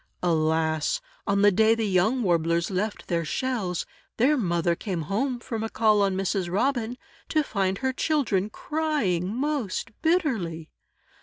Alas! On the day the young Warblers left their shells, their mother came home from a call on Mrs. Robin, to find her children crying most bitterly.